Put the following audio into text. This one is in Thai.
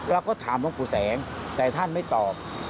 เราก็ถามหลวงปู่แสงแต่ท่านไม่ตอบ